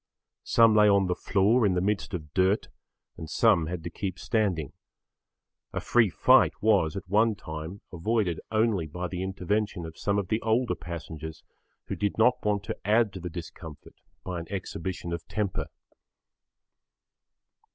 Some lay on the floor in the midst of dirt and some had to keep standing. A free fight was, at one time, avoided only by the intervention of some of the older passengers who did not want to add to the discomfort by an exhibition of temper.